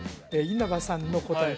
稲葉さんの答え